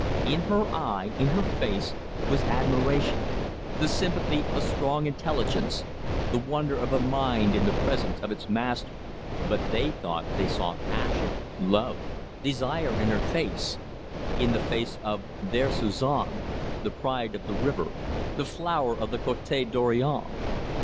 In her eye, in her face, was admiration, the sympathy of a strong intelligence, the wonder of a mind in the presence of its master, but they thought they saw passion, love, desire, in her face in the face of their Suzon, the pride of the river, the flower of the Cote Dorion.